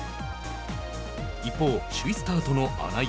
一方、首位スタートの穴井。